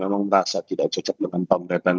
memang merasa tidak cocok dengan pemberetan